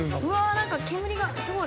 なんか煙がすごい。